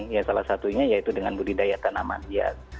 ya salah satunya yaitu dengan budidaya tanaman hias